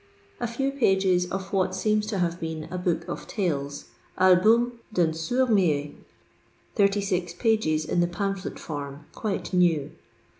A few pages of what seems to have been a book of tales : "Album d'un Sonrd Muet" (36 pagei in the pamphlet form, quite new).